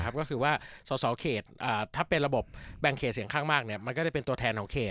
ก็คือว่าสสเขตถ้าเป็นระบบแบ่งเขตเสียงข้างมากมันก็จะเป็นตัวแทนของเขต